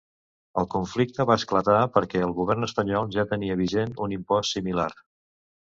El conflicte va esclatar perquè el govern espanyol ja tenia vigent un impost similar.